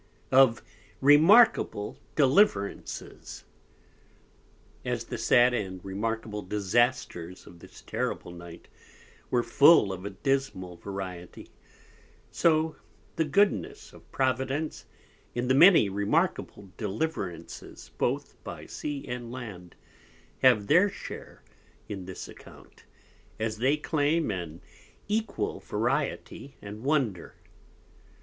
Of remarkable Deliverances As the sad and remarkable Disasters of this Terrible Night were full of a Dismal Variety, so the Goodness of Providence, in the many remarkable Deliverances both by Sea and Land, have their Share in this Account, as they claim an equal Variety and Wonder.